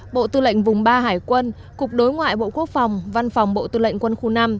bộ tư lệnh vùng ba hải quân cục đối ngoại bộ quốc phòng văn phòng bộ tư lệnh quân khu năm